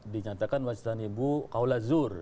dinyatakan wajidat nibbu qawlazur